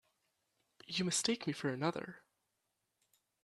You mistake me for another.